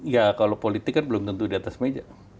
ya kalau politik kan belum tentu di atas meja